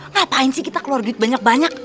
ngapain sih kita keluar duit banyak banyak